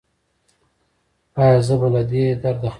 ایا زه به له دې درده خلاص شم؟